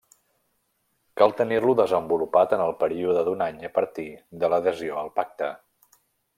Cal tenir-lo desenvolupat en el període d'un any a partir de l'adhesió al Pacte.